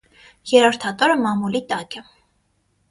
Երրորդ հատորը մամուլի տակ է։